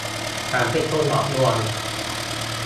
ฉันเป็นคนหลอกลวง